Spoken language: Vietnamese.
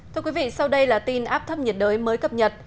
thưa quý vị sau đây là tin áp thấp nhiệt đới mới cập nhật